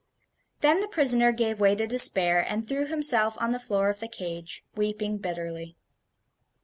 Then the prisoner gave way to despair, and threw himself on the floor of the cage, weeping bitterly.